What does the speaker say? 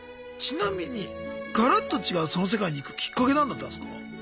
ちなみにガラッと違うその世界に行くきっかけ何だったんすか？